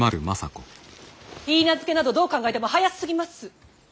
許婚などどう考えても早すぎます！